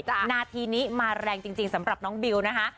นาทีนี้มาแรงจริงสำหรับน้องบิวนะคะ